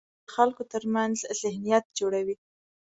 قلم د خلکو ترمنځ ذهنیت جوړوي